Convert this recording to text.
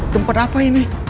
tempat apa ini